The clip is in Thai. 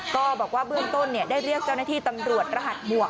ก็บอกว่าเบื้องต้นได้เรียกเจ้าหน้าที่ตำรวจรหัสบวก